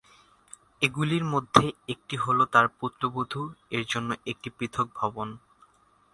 এগুলির মধ্যে একটি হল তার পুত্রবধূ -এর জন্য একটি পৃথক ভবন।